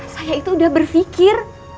saya itu udah berpikir